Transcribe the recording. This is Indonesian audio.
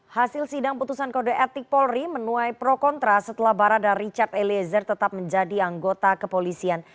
hasil sidang putusan kode etik polri menuai pro kontra setelah barada richard eliezer tetap menjadi anggota kepolisian